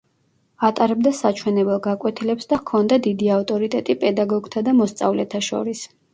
ატარებდა საჩვენებელ გაკვეთილებს და ჰქონდა დიდი ავტორიტეტი პედაგოგთა და მოსწავლეთა შორის.